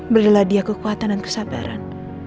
belilah dia kekuatan dan kesabaran